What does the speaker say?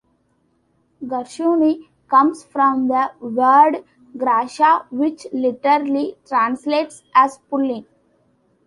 "Garshuni" comes from the word "grasha" which literally translates as "pulling".